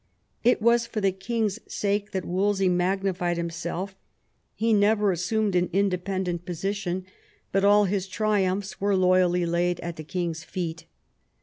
It was for the king's sake that Wolsey magnified himself ; he never assumed an independent position, but * all his 182 THOMAS WOLSEY chap. triumphs were loyally laid at the king's feet.